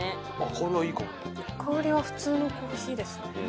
香り香りは普通のコーヒーですね